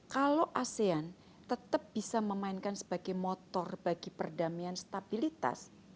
kalau asean tetap bisa memainkan sebagai motor bagi perdamaian stabilitas